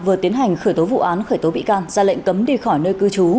vừa tiến hành khởi tố vụ án khởi tố bị can ra lệnh cấm đi khỏi nơi cư trú